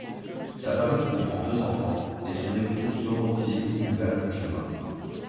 Sa famille comprend deux enfants et son épouse Dorothy Limunga Njeuma.